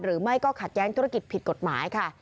หรือไม่ก็ขัดแย้งธุรกิจผิดกฎหมายค่ะ